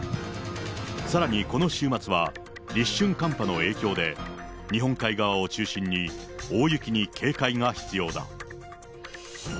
さらにこの週末は、立春寒波の影響で、日本海側を中心に大雪に警戒が必要だ。